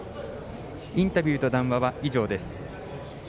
インタビューと談話は以上です。